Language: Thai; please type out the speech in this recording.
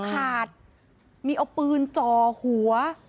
มีประกาศศักดาว่าจำไว้นะกูเด็กช่าง